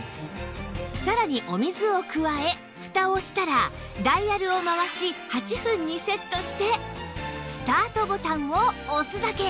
さらにお水を加えふたをしたらダイヤルを回し８分にセットしてスタートボタンを押すだけ